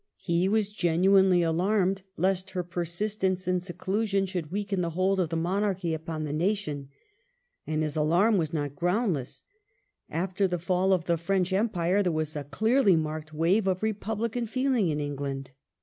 ^ He was genuinely alarmed lest her persistence in seclusion should weaken the hold of the Monarchy upon the nation. And his alarm was not groundless. After the fall of the French Empire there was a clearly marked wave of republican feeling in England.